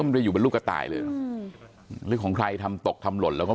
ไปอยู่เป็นลูกกระต่ายเลยเหรอหรือของใครทำตกทำหล่นแล้วก็